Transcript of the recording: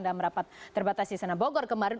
dalam rapat terbatas di senabogor kemarin